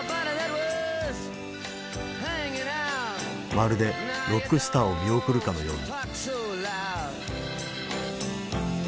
まるでロックスターを見送るかのように。